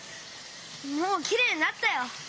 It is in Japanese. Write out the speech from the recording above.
もうきれいになったよ。